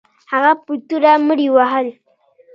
هغه په توره مړي وهل.